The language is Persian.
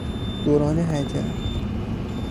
دوران حجر